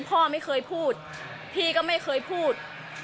พ่อไม่เคยพูดพี่ก็ไม่เคยพูด